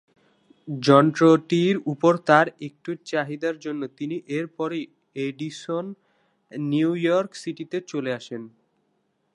যন্ত্রটির উপর তার একটু চাহিদার জন্য, তিনি এরপরেই এডিসন নিউ ইয়র্ক সিটিতে চলে আসেন।